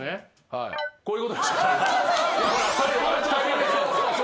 はい。